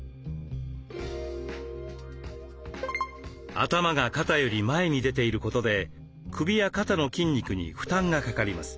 頭が肩より前に出ていることで首や肩の筋肉に負担がかかります。